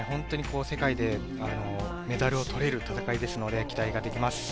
世界でメダルを取れる戦いですので期待ができます。